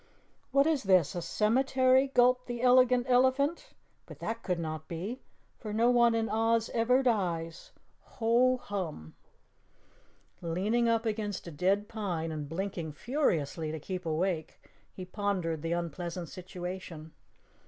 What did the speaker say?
"What is this, a cemetery?" gulped the Elegant Elephant. "But that could not be, for no one in Oz ever dies. Ho, Hum!" Leaning up against a dead pine and blinking furiously to keep awake, he pondered the unpleasant situation.